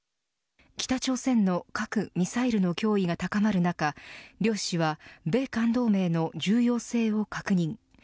北朝鮮の核、ミサイルの脅威が高まる中両氏は米韓同盟の重要性を確認。